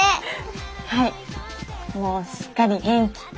はいもうすっかり元気！